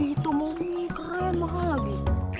itu momi keren banget lagi